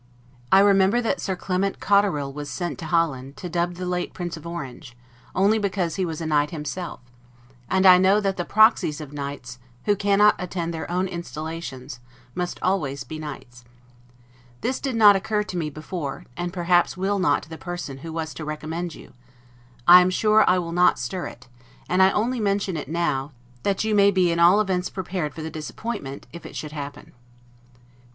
I remember that Sir Clement Cotterel was sent to Holland, to dub the late Prince of Orange, only because he was a knight himself; and I know that the proxies of knights, who cannot attend their own installations, must always be knights. This did not occur to me before, and perhaps will not to the person who was to recommend you: I am sure I will not stir it; and I only mention it now, that you may be in all events prepared for the disappointment, if it should happen.